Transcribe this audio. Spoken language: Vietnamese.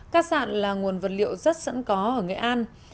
cát sạn là nguồn vật liệu rất sẵn có ở nghệ an